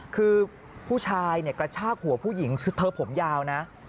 คือผู้ชายกระชากหัวผู้หญิงเธอผมยาวนะ